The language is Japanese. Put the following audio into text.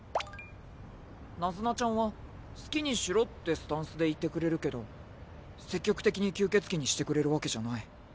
ナズナちゃんは好きにしろってスタンスでいてくれるけど積極的に吸血鬼にしてくれるわけじゃない。